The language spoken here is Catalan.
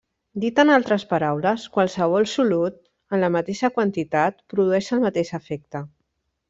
Dit en altres paraules, qualsevol solut, en la mateixa quantitat, produeix el mateix efecte.